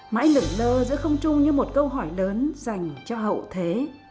mãi lửng lơ giữa không trung như một câu hỏi lớn dành cho hậu thế